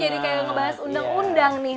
kita jadi kayak ngebahas undang undang nih